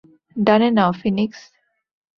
ডানে নাও, ফিনিক্স!